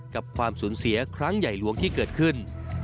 ความสูญเสียครั้งใหญ่หลวงที่เกิดขึ้น